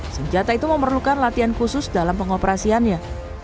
senjata itu memerlukan latihan khusus dalam pengoperasiannya